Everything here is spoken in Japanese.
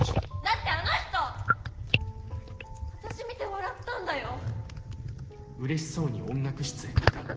だってあの人私見て笑ったんだよ？